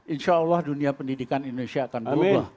insya allah dunia pendidikan indonesia akan berubah